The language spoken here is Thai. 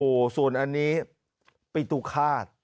โอ้โหส่วนอันนี้ปิตุฆาต